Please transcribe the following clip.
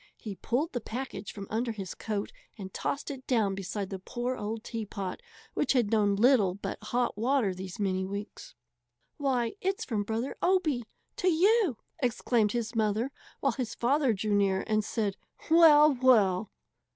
He pulled the package from under his coat and tossed it down beside the poor old teapot, which had known little but hot water these many weeks. "Why, it's from Brother Obie to you!" exclaimed his mother, while his father drew near and said, "Well, well!"